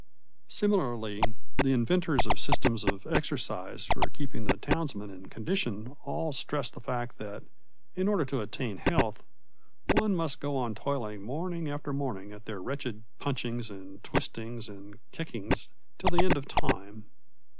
Similarly, the inventors of systems of exercise for keeping the townsman in condition all stress the fact that, in order to attain health, one must go on toiling morning after morning at their wretched punchings and twistings and kickings till the end of time.